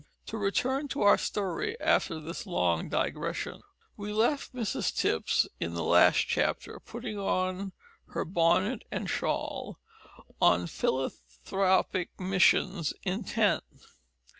To return to our story after this long digression: We left Mrs Tipps in the last chapter putting on her bonnet and shawl, on philanthropic missions intent.